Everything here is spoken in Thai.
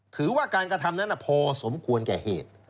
ถือว่าการกระทำนั้นพอสมควรแก่เหตุ